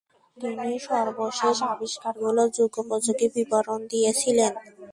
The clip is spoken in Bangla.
তিনি সর্বশেষ আবিষ্কারগুলোর যুগোপযোগী বিবরণ দিয়েছিলেন।